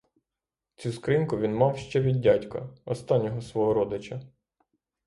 Цю скриньку він мав ще від дядька, останнього свого родича.